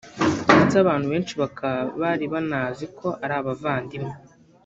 ndetse abantu benshi bakaba bari banazi ko ari abavandimwe